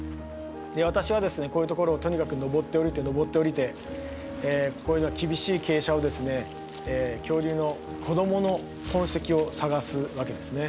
私はですねこういうところをとにかく登って下りて登って下りて厳しい傾斜をですね恐竜の子供の痕跡を探すわけですね。